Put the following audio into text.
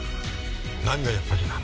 何がやっぱりなんだ？